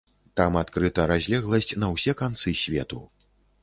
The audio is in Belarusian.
Там адкрыта разлегласць на ўсе канцы свету.